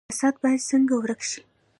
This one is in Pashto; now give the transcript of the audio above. فساد باید څنګه ورک شي؟